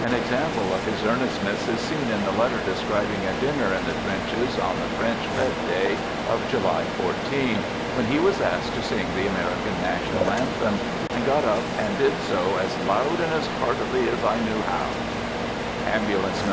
An example of his earnestness is seen in the letter describing a dinner in the trenches on the French fete day of July 14, when he was asked to sing the American national anthem, and " got up and did so as loud and as heartily as I knew " Ambulance No.